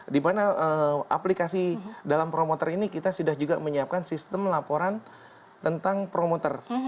dimana aplikasi dalam promoter ini kita sudah juga menyiapkan sistem laporan tentang promoter